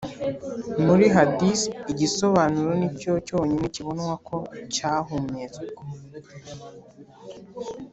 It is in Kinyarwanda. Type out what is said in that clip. muri hadisi, igisobanuro ni cyo cyonyine kibonwa ko cyahumetswe